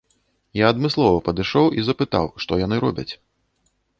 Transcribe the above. Я адмыслова падышоў і запытаў, што яны робяць.